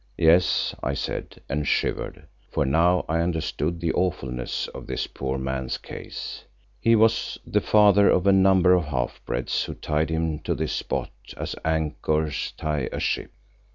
"Yes," I said, and shivered, for now I understood the awfulness of this poor man's case. He was the father of a number of half breeds who tied him to this spot as anchors tie a ship.